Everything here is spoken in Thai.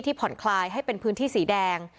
ผ่อนคลายให้เป็นพื้นที่สีแดง